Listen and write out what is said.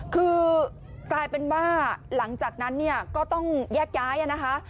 คือกลายเป็นว่าหลังจากนั้นเนี่ยก็ต้องแยกย้ายนะคะ